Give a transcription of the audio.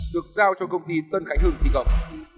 được giao cho công ty tân khánh hưng thi công